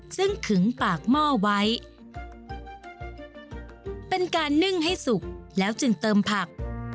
ซึ่งขึงปากหม้อไว้เป็นการนึ่งให้สุกแล้วจึงเติมผัก